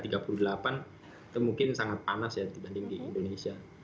itu mungkin sangat panas ya dibanding di indonesia